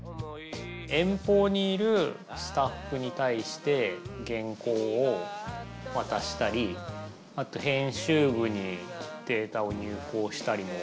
遠方にいるスタッフに対して原稿をわたしたりあと編集部にデータを入稿したりも。